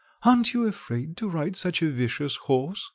"Aren't you afraid to ride such a vicious horse?"